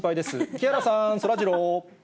木原さん、そらジロー。